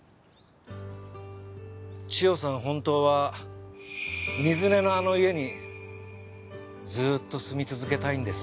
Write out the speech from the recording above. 本当は水根のあの家にずっと住み続けたいんです。